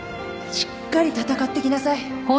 しっかり戦ってきなさい